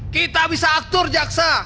kita bisa atur jaksa